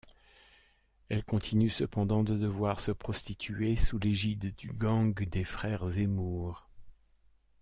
Elle continue cependant de devoir se prostituer, sous l'égide du gang des frères Zemmour.